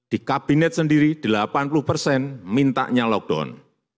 di kabinet sendiri delapan puluh persen mintanya lockdown